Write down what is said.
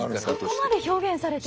そこまで表現されている。